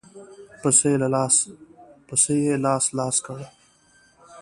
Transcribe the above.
پسه يې لاس لاس کړ.